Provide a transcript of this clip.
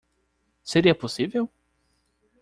Seria possível?